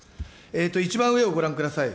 一番上をご覧ください。